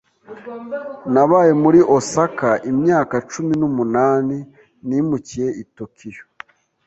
Nabaye muri Osaka imyaka cumi n'umunani nimukiye i Tokiyo.